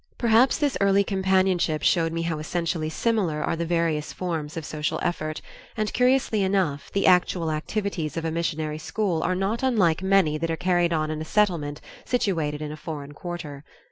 Perhaps this early companionship showed me how essentially similar are the various forms of social effort, and curiously enough, the actual activities of a missionary school are not unlike many that are carried on in a Settlement situated in a foreign quarter.